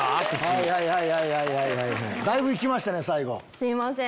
すいません。